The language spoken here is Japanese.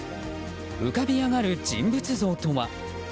浮かび上がる人物像とは？